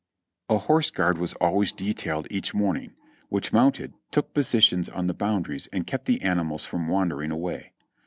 A horse guard was always detailed each morning, which. A DUSTY CAMP 427 mounted, took positions on the boundaries and kept the animals from wandering away.